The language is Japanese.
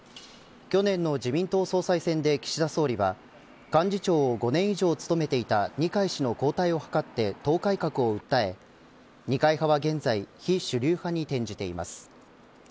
去年の自民党総裁選で岸田総理は幹事長を５年以上務めていた二階氏の交代を図って党改革を訴え二階派は現在非主流派に転じています。